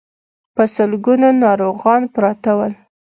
په سلګونو ناروغان پراته ول.